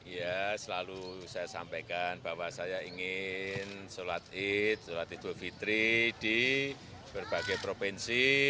ya selalu saya sampaikan bahwa saya ingin sholat id sholat idul fitri di berbagai provinsi